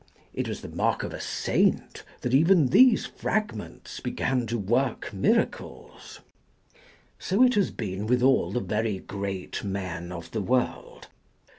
It was the mark of a saint that even these fragments began to work miracles. So it has been with all the very great men of the world.